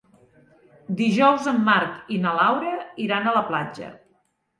Dijous en Marc i na Laura iran a la platja.